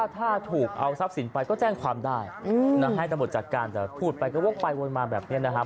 ถ้าถูกเอาทรัพย์สินไปก็แจ้งความได้ให้ตำรวจจัดการแต่พูดไปก็วกไปวนมาแบบนี้นะครับ